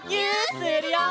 するよ！